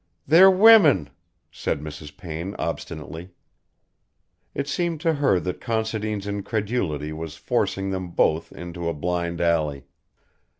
"They're women," said Mrs. Payne obstinately. It seemed to her that Considine's incredulity was forcing them both into a blind alley.